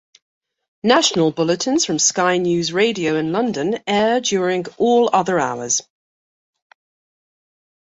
National bulletins from Sky News Radio in London air during all other hours.